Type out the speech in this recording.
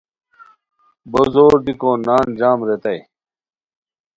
بو زور دیکو نان جام ریتائے